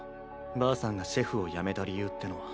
ばあさんがシェフをやめた理由ってのは。